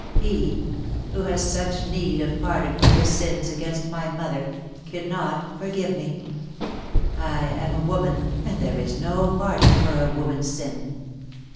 He — who has such need of pardon for his sins against my mother — cannot forgive me. I am a woman, and there is no pardon for a woman's sin."